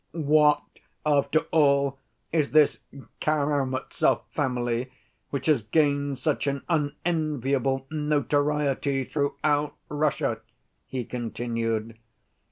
"What, after all, is this Karamazov family, which has gained such an unenviable notoriety throughout Russia?" he continued.